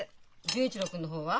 純一郎君の方は？